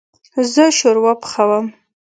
زه شوروا پخوم